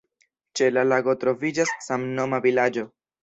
Ĉe la lago troviĝas samnoma vilaĝo.